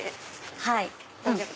はい。